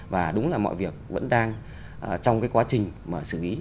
và đúng là mọi việc vẫn đang trong cái quá trình mà xử lý